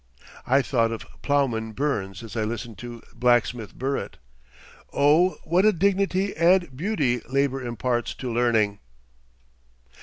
I thought of ploughman Burns as I listened to blacksmith Burritt. Oh! what a dignity and beauty labor imparts to learning."